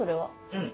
うん。